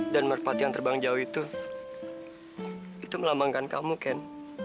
dan merpati yang terbang jauh itu itu melambangkan kamu ken